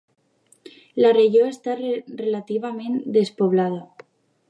La regió està relativament despoblada.